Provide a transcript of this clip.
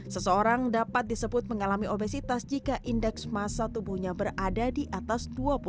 seseorang dapat disebut mengalami obesitas jika indeks masa tubuhnya berada di atas dua puluh satu